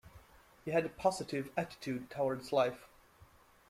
He had a positive attitude towards life.